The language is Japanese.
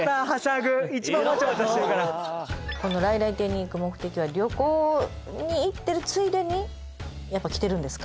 この来来亭に行く目的は旅行に行ってるついでにやっぱ来てるんですか？